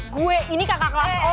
gue ini kakak kelas